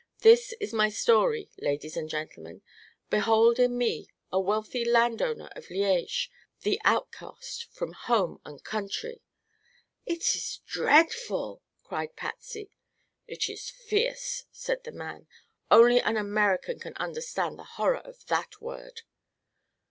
This is my story, ladies and gentlemen. Behold in me a wealthy landowner of Liege the outcast from home and country!" "It is dreadful!" cried Patsy. "It is fierce," said the man. "Only an American can understand the horror of that word."